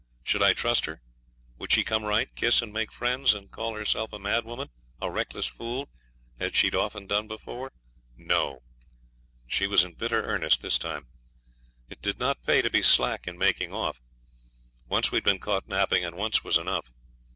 Should I trust her? Would she come right, kiss, and make friends, and call herself a madwoman a reckless fool as she'd often done before? No; she was in bitter earnest this time. It did not pay to be slack in making off. Once we had been caught napping, and once was enough.